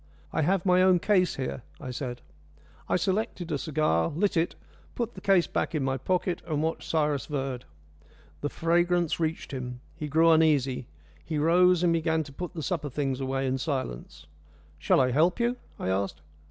"I have my own case here," I said. I selected a cigar, lit it, put the case back in my pocket, and watched Cyrus Verd. The fragrance reached him. He grew uneasy. He rose, and began to put the supper things away in silence. "Shall I help you?" I asked.